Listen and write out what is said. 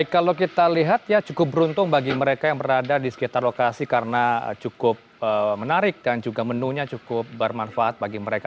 kalau kita lihat ya cukup beruntung bagi mereka yang berada di sekitar lokasi karena cukup menarik dan juga menunya cukup bermanfaat bagi mereka